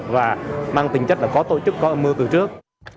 và mang tính chất là có tổ chức có âm mưu từ trước